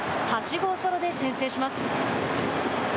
８号ソロで先制します。